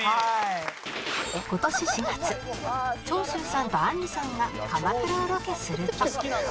今年４月長州さんとあんりさんが鎌倉をロケすると